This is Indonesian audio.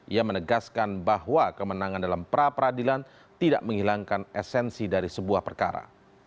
ia menegaskan bahwa kemenangan dalam pra peradilan tidak menghilangkan esensi dari sebuah perkara